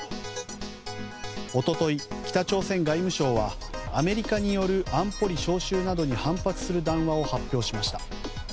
一昨日、北朝鮮外務省はアメリカによる安保理招集などに反発する談話を発表しました。